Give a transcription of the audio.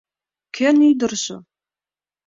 Кӧн ӱдыржӧ?